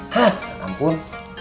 hah ya ampun